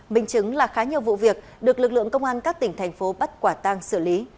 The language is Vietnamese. mình chứng là khá nhiều vụ việc được lực lượng công an các tỉnh thành phố bắt quả tang xử lý